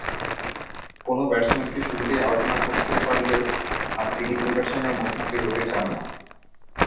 কোন ব্যাটসম্যানকে শুরুতেই আউট করতে না পারলে আর তিনি ঐ ব্যাটসম্যানের মুখোমুখি হতে চান না।